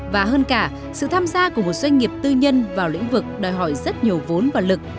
và hơn cả sự tham gia của một doanh nghiệp tư nhân vào lĩnh vực đòi hỏi rất nhiều vốn và lực